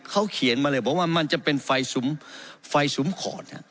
เขาเขียนมาเลยบอกว่ามันจะเป็นไฟสุมขอด